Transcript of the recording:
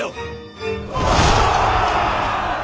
お！